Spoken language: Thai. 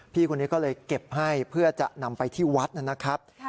พี่คนนี้ก็เลยเก็บให้เพื่อจะนำไปที่วัดนะครับ